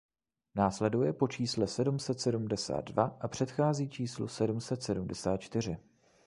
Následuje po čísle sedm set sedmdesát dva a předchází číslu sedm set sedmdesát čtyři.